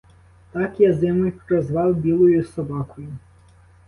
Так я зиму й прозвав білою собакою.